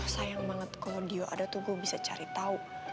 sayang banget kalau dia ada tuh gue bisa cari tahu